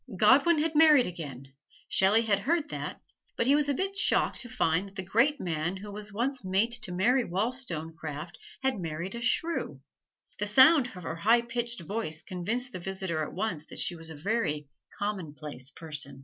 Godwin had married again Shelley had heard that, but he was a bit shocked to find that the great man who was once mate to Mary Wollstonecraft had married a shrew. The sound of her high pitched voice convinced the visitor at once that she was a very commonplace person.